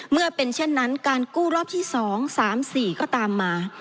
เมื่อเป็นเช่นนั้นการกู้รอบที่๒๓๔ก็ตามมา